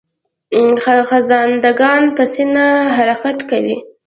خزنده ګان په سینه حرکت کوي